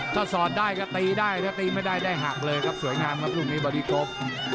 ถ้าสอดได้ก็ตีได้ถ้าตีไม่ได้ได้หักเลยครับสวยงามครับลูกนี้บอดี้ก